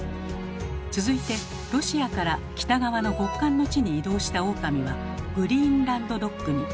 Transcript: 続いてロシアから北側の極寒の地に移動したオオカミはグリーンランド・ドッグに。